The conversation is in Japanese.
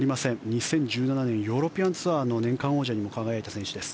２０１７年ヨーロピアンツアーの年間王者にも輝いた選手です。